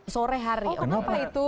sore hari kenapa itu